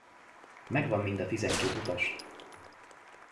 Megvan mind a tizenkét utas.